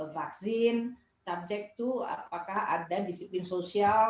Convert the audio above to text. vaksin subject to apakah ada disiplin sosial